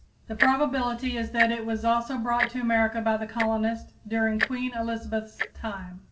The probability is that it was also brought to America by the colonists during Queen Elizabeth's time.